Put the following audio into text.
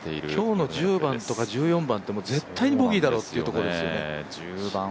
今日の１０番とか、１４番とかって絶対ボギーというところですよね。